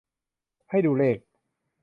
ให้ดูเลข